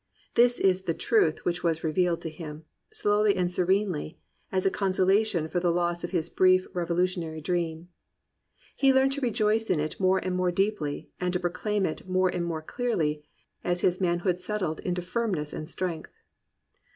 This is the truth which was revealed to him, slowly and serenely, as a consolation for the loss of his brief revolutionary dream. He learned to re joice in it more and more deeply, and to proclaim it more and more clearly, as his manhood settled into firmness and strength.